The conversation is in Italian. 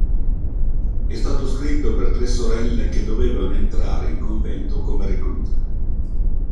È stato scritto per tre sorelle che dovevano entrare in convento come recluse.